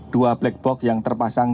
dua black box yang terpasang